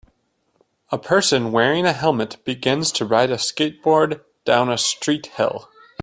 A person wearing a helmet begins to ride a skateboard down a street hill